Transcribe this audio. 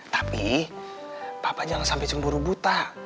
tapi papa jangan sampai cemburu buta